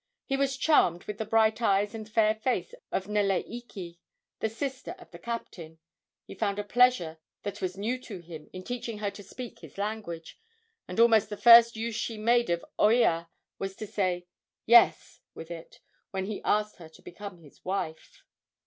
He was charmed with the bright eyes and fair face of Neleike, the sister of the captain. He found a pleasure that was new to him in teaching her to speak his language, and almost the first use she made of oia was to say "yes" with it when he asked her to become his wife.